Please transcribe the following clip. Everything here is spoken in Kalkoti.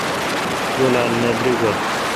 جولال نہ دریگہ۔